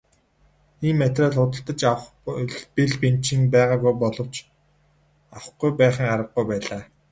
Ийм материал худалдаж авах бэл бэнчин байгаагүй боловч авахгүй байхын аргагүй байлаа.